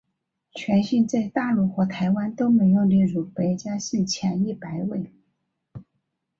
全姓在大陆和台湾都没有列入百家姓前一百位。